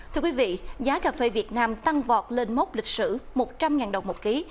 thưa quý vị giá cà phê việt nam trong thời gian xưa tăng lên một trăm linh đồng một kg